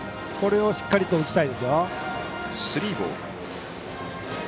これをしっかりと打ちたいですよ。